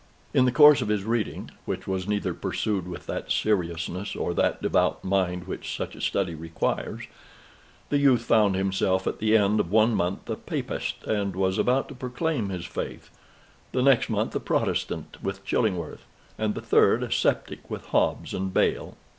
In the course of his reading (which was neither pursued with that seriousness or that devout mind which such a study requires) the youth found himself at the end of one month a Papist, and was about to proclaim his faith; the next month a Protestant, with Chillingworth; and the third a sceptic, with Hobbes and Bayle.